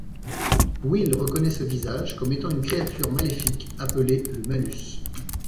Will reconnaît ce visage comme étant une créature maléfique appelée le Malus.